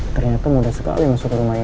ternyata mudah sekali masuk ke rumah ini